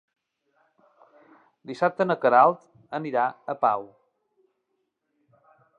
Dissabte na Queralt anirà a Pau.